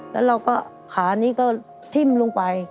แล้วเราก็ขานี้ก็ทิ้มลงไป